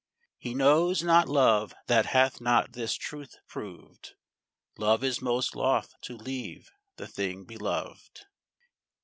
He knows not love that hath not this truth proved, Love is most loth to leave the thing beloved.